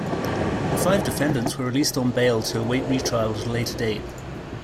The five defendants were released on bail to await retrial at a later date.